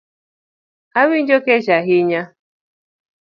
Awinjo kech ahinya